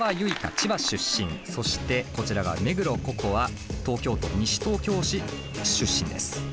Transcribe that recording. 千葉出身そしてこちらが目黒恋杏東京都西東京市出身です。